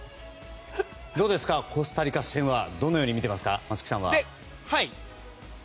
どうですかコスタリカ戦は松木さんはどのように見てますか。